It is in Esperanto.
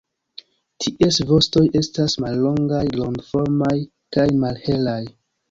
Ties vostoj estas mallongaj, rondoformaj kaj malhelaj.